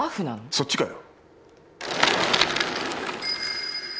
そっちかよ！